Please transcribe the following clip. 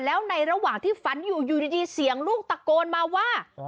แล้วในระหว่างที่ฝันอยู่อยู่ดีเสียงลูกตะโกนมาว่า